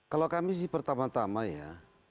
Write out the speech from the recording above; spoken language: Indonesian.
kalau kami sih pertama tama ya